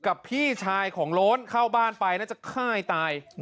กับพี่ชายของโร้นเข้าบ้านไปจะให้ค่ายตาย